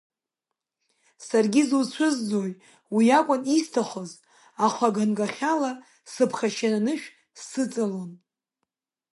Саргьы изуцәызӡои, уи акәын исҭахыз, аха ганкахьалагьы сыԥхашьаны анышә сыҵалон.